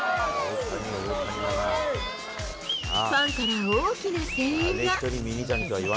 ファンから大きな声援が。